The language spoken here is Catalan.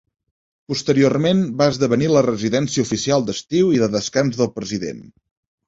Posteriorment, va esdevenir la residència oficial d'estiu i de descans del president.